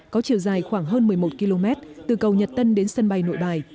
có chiều dài khoảng hơn một mươi một km từ cầu nhật tân đến sân bay nội bài